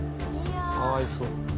かわいそう。